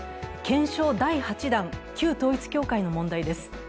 検証第８弾、旧統一教会の問題です。